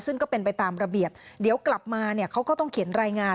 ซึ่งก็เป็นไปตามระเบียบเดี๋ยวกลับมาเนี่ยเขาก็ต้องเขียนรายงาน